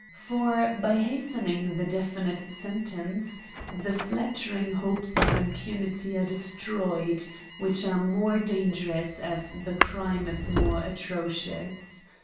For, by hastening the definitive sentence, the flattering hopes of impunity are destroyed, which are more dangerous as the crime is more atrocious.